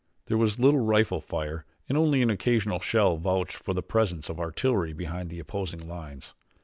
There was little rifle fire and only an occasional shell vouched for the presence of artillery behind the opposing lines.